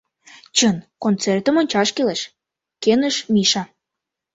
— Чын, концертым ончаш кӱлеш, — кӧныш Миша.